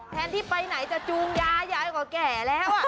แทนที่ไปไหนจะจูงยายายก็แก่แล้ว